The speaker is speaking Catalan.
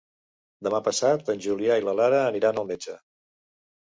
Demà passat en Julià i na Lara aniran al metge.